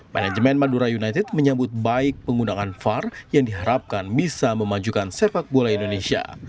manajemen madura united menyambut baik penggunaan var yang diharapkan bisa memajukan sepak bola indonesia